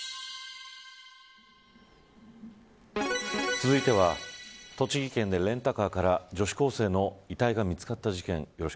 続いては栃木県でレンタカーから女子高生の遺体が見つかった事件。